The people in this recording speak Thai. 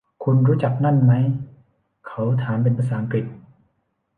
คุณรู้จักนั่นมั้ย ? เขาถามเป็นภาษาอังกฤษ